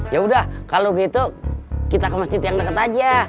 yaudah kalau gitu kita ke masjid yang deket aja